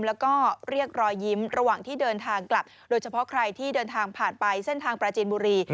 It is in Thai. แล้วก็เรียกรอยยิ้มระหว่างที่เดินทางกลับโดยเฉพาะใครที่เดินทางผ่านไปเส้นทางปราจีนบุรี